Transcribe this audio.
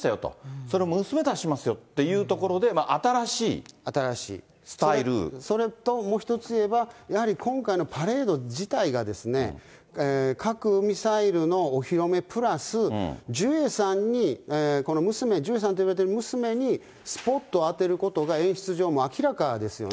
それ、娘も出しますよということそれともう一つ言えば、やはり今回のパレード自体が、核・ミサイルのお披露目プラスジュエさんに、この娘、ジュエさんといわれてる娘にスポットを当てることが演出上も明らかですよね。